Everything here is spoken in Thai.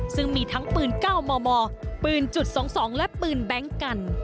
ซึ่งมีทั้งปืน๙มมปืนจุด๒๒และปืนแบงค์กัน